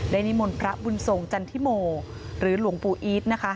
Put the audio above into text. นิมนต์พระบุญทรงจันทิโมหรือหลวงปู่อีทนะคะ